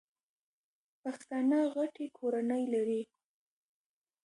پښتانه غټي کورنۍ لري.